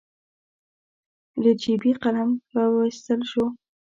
له جېبې قلم راواييستل شو.